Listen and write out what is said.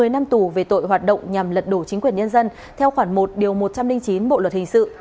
một mươi năm tù về tội hoạt động nhằm lật đổ chính quyền nhân dân theo khoản một điều một trăm linh chín bộ luật hình sự